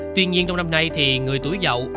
tuy nhiên trong năm nay thì người tuổi giàu